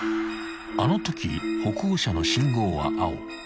［あのとき歩行者の信号は青］